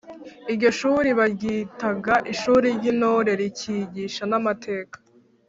iryo shuli baryitaga ishuri ry'intore rikigisha n’amateka